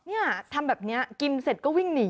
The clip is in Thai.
เนี่ยทำแบบนี้กินเสร็จก็วิ่งหนี